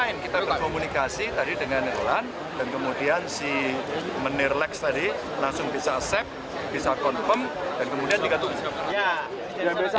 dan kita berkomunikasi tadi dengan nirulan dan kemudian si menirleks tadi langsung bisa accept bisa confirm dan kemudian digatung